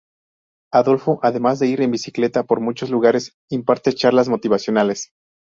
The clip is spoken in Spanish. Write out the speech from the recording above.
Adolfo, además de ir en bicicleta por muchos lugares, imparte charlas motivacionales.